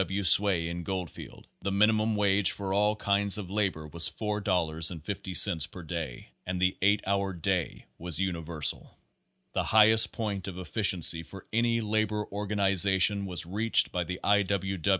W. sway in Geldfield, the minimum wage for all kinds of labor was $4.50 per day and the eight hour day was universal. The highest point of ef ficiency for any labor organization was reached by the I.